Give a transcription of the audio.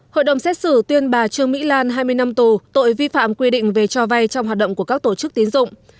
hội đồng xét xử tuyên bà trương mỹ lan hai mươi năm tù tội vi phạm quy định về cho vay trong hoạt động của các tổ chức tín dụng